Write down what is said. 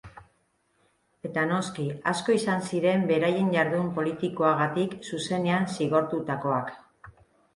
Eta noski, asko ziren beraien jardun politikoagatik zuzenean zigortutakoak.